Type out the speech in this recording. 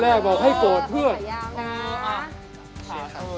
ลูกแรกบอกให้โกรธเพื่อนพยายามนะ